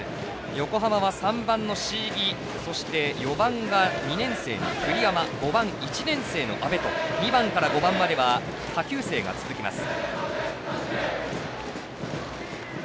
横浜は３番の椎木そして、４番が２年生の栗山５番、１年生の阿部と２番から５番までは下級生が続きます。